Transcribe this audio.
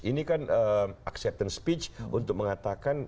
ini kan acceptance speech untuk mengatakan